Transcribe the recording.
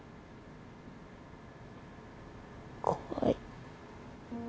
怖い。